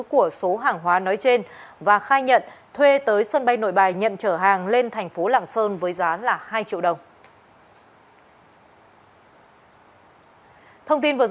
của số hàng hóa nói trên và khai nhận thuê tới sân bay nội bài nhận trở hàng lên thành phố lạng sơn với giá hai triệu đồng